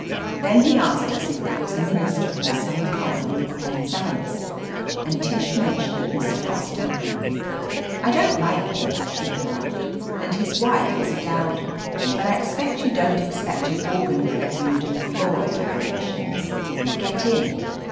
Then he asked us if there was a minister in the summer colony at Penzance, and Tish mentioned Mr. Oster maier. "I don't like him," she remarked, "and his wife is a dowdy, but I suppose you don't 281 THE AMAZING ADVENTURES expect an organ prelude and floral decora* tions. Get in."